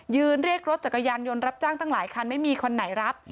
เรียกรถจักรยานยนต์รับจ้างตั้งหลายคันไม่มีคนไหนรับ